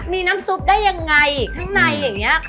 มีน้ำซุปได้ยังไงข้างในอย่างนี้